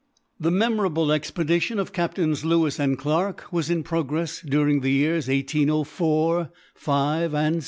The memorable expedition of captains Lewis and Clarke was in progress during the years 1804, '5, and '6.